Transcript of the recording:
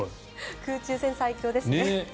空中戦、最強ですね。